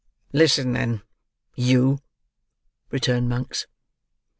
"Listen then! You!" returned Monks.